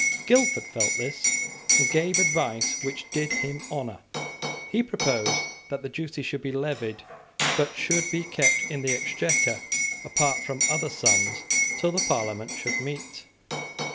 Guildford felt this, and gave advice which did him honour. He proposed that the duties should be levied, but should be kept in the Exchequer apart from other sums till the Parliament should meet.